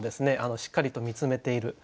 しっかりと見つめている。